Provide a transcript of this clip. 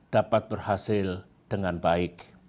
dapat berhasil dengan baik